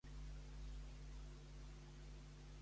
On passa la nit Thorin?